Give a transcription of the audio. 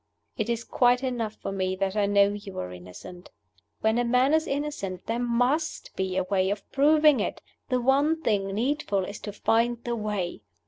It is quite enough for me that I know you are innocent. When a man is innocent, there must be a way of proving it: the one thing needful is to find the way.